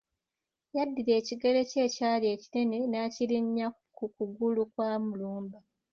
Yaddira ekigere kye ekyali ekinene n'akirinnya ku kugulu kwa Mulumba.